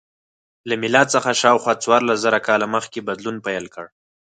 له میلاد څخه شاوخوا څوارلس زره کاله مخکې بدلون پیل کړ.